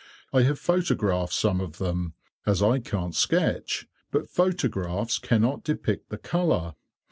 I have photographed some of them, as I can't sketch, but photographs cannot depict the colour.